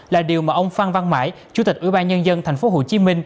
là điều mà ông phan văn mãi chủ tịch ủy ban nhân dân tp hcm